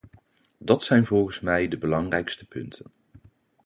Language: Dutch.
Dat zijn volgens mij de belangrijkste punten.